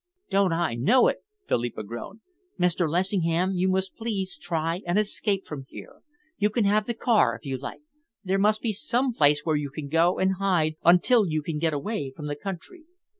"Don't I know it!" Philippa groaned. "Mr. Lessingham, you must please try and escape from here. You can have the car, if you like. There must be some place where you can go and hide until you can get away from the country."